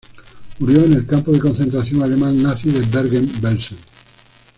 Murió en el campo de concentración alemán nazi de Bergen-Belsen.